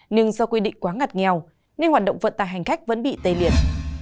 nhưng do quy định quá ngặt nghèo nên hoạt động vận tài hành khách vẫn bị tê liệt